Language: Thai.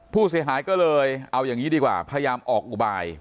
ผู้เสียหายก็เลยเอาอย่างนี้ดีกว่าพยายามออกอุบาย